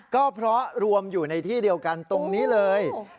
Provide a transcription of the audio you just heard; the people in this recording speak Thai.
ก็เพราะรวมอยู่ในที่เดียวกันตรงนี้เลย